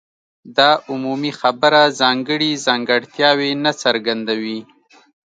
دا عمومي خبره ځانګړي ځانګړتیاوې نه څرګندوي.